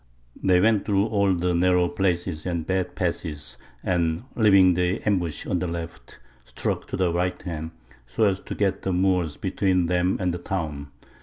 They went through all the narrow places and bad passes, and, leaving the ambush on the left, struck to the right hand, so as to get the Moors between them and the town.